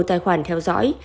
tài khoản theo dõi